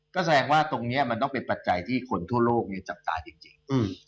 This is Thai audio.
ก็แสดงว่าตรงนี้มันต้องเป็นปัจจัยที่คนทั่วโลกจับตาจริง